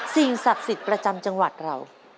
สิ่งศักดิ์สิทธิ์ประจำจังหวัดเรา